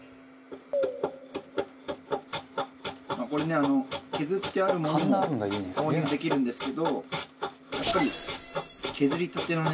これね削ってあるものも購入できるんですけどやっぱり削りたてのね